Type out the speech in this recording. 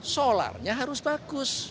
solarnya harus bagus